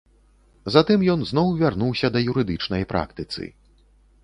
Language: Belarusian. Затым ён зноў вярнуўся да юрыдычнай практыцы.